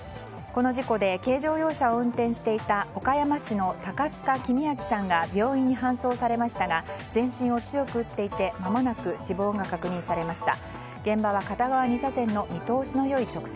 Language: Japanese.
この事故で軽乗用車を運転していた岡山市の高須加公昭さんが病院に搬送されましたが全身を強く打っていてまもなく死亡が確認されました。